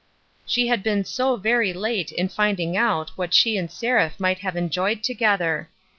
She had been so very late in finding out what she and Seraph might have enjoyed together